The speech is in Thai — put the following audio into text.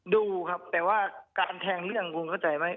ดูครับแต่ว่าการแทงเรื่องคุณเข้าใจไหม